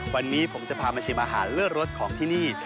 วันนี้ผมจะพามาชิมอาหารเลิศรสของที่นี่